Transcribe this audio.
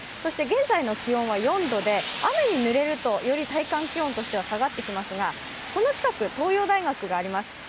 現在の気温は４度で、雨に濡れると、より体感気温としては下がってきますが、この近く、東洋大学があります。